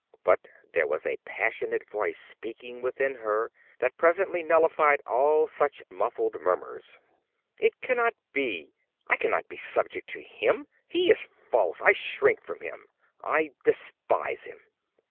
But there was a passionate voice speaking within her that presently nullified all such muffled murmurs. "It cannot be! I cannot be subject to him. He is false. I shrink from him. I despise him!"